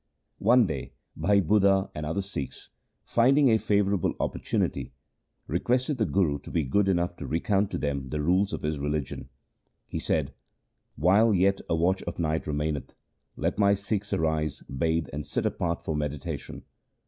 One day Bhai Budha and other Sikhs, find ing a favourable opportunity, requested the Guru to be good enough to recount to them the rules of his religion. He said, 'While yet a watch of night remaineth, let my Sikhs arise, bathe, and sit apart for meditation.